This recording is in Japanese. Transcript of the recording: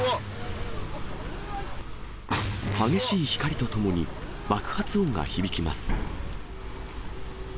激しい光とともに、爆発音が響きます。